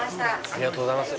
ありがとうございます。